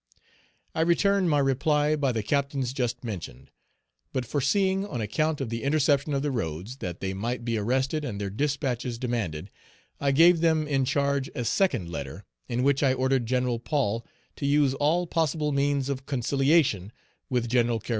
I returned my reply by the captains just mentioned. But foreseeing, on account of the interception of the roads, that they might be arrested and their dispatches demanded, I gave them in charge a second letter, in which I ordered Gen. Paul to use all possible means of conciliation with Gen. Kerverseau.